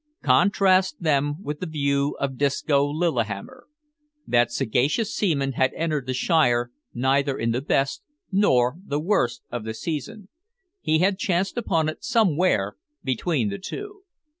Contrast them with the view of Disco Lillihammer. That sagacious seaman had entered the Shire neither in the "best" nor the "worst" of the season. He had chanced upon it somewhere between the two.